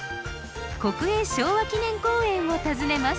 国営昭和記念公園を訪ねます。